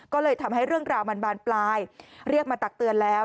ก็เลยทำให้เรื่องราวมันบานปลายเรียกมาตักเตือนแล้ว